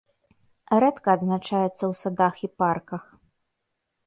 Рэдка адзначаецца ў садах і парках.